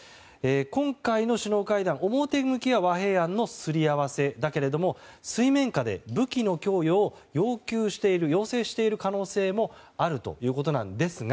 今回の首脳会談、表向きは和平案のすり合わせだけれども水面下では武器の供与を要請している可能性もあるということですが